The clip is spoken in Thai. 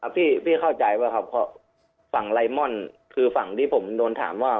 พี่เข้าใจป่ะครับเพราะฝั่งไลมอนคือฝั่งที่ผมโดนถามว่า